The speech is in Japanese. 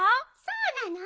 そうなの？